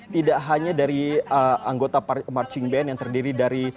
tidak hanya dari anggota marching band yang terdiri dari